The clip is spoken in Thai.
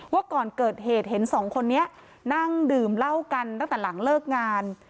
ว่าก่อนเกิดเหตุเห็นสองคนนี้นั่งดื่มเหล้ากันตั้งแต่หลังเลิกงาน